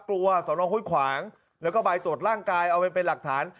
กลัวสวนองค์ห้วยขวางแล้วก็ไปตรวจร่างกายเอาไปเป็นหลักฐาน